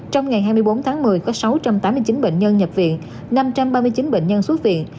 trong ngày hai mươi bốn tháng một mươi có sáu trăm tám mươi chín bệnh nhân nhập viện năm trăm ba mươi chín bệnh nhân xuất viện